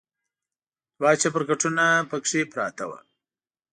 دوه چپرکټونه پکې پراته و.